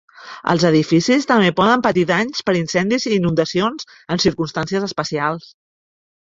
Els edificis també poden patir danys per incendis i inundacions en circumstàncies especials.